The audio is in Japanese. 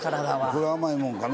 これ甘いものかな